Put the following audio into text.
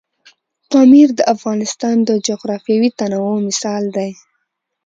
پامیر د افغانستان د جغرافیوي تنوع مثال دی.